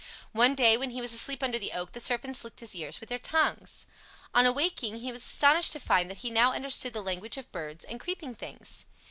One day when he was asleep under the oak the serpents licked his ears with their tongues. On awaking he was astonished to find that he now understood the language of birds and creeping things.